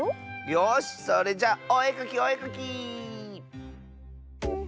よしそれじゃおえかきおえかき！